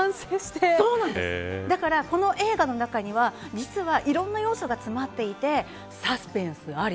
なのでこの映画の中には実はいろんな要素が詰まっていてサスペンスあり